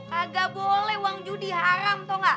kagak boleh uang judi haram toh gak